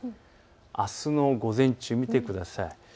あすの午前中を見てください。